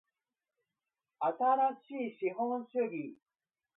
新しい資本主義